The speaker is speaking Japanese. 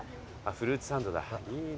フルーツサンドね。